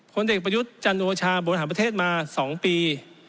คนเด็กประยุทธ์จันทรวชาบนอาหารประเทศมาสองปี